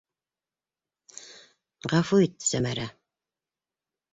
- Ғәфү ит, Сәмәрә...